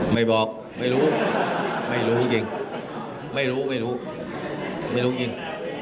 ไม่บอกไม่รู้ไม่รู้จริง